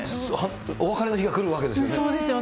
お別れの日が来るわけですよ